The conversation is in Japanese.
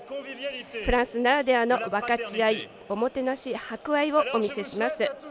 フランスならではの分かち合い、おもてなし博愛をお見せします。